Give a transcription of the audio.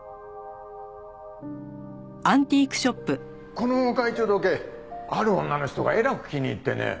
この懐中時計ある女の人がえらく気に入ってね。